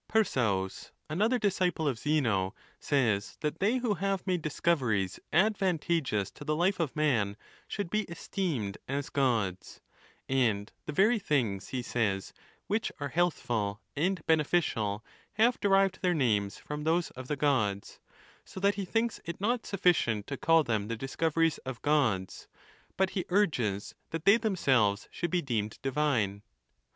XV. Persajus, another disciple of Zeno, says that they who have made discoveries advantageous to the life of man should be esteemed as Gods ; and the very things, he says, which are healthful and beneficial have derived their names from those of the Gods ; so that he thinks it not sufficient to call them the discoveries of Gods, but he urges that they ' Or, Generation of the Gods. 224 THE NATURE OF THE GODS. themselves should be deemed divine.